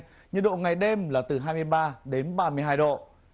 nhiệt độ ngày đêm là từ hai mươi ba đến ba mươi hai độ